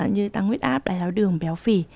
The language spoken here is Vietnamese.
như tăng huyết áp đài giáo đường béo phì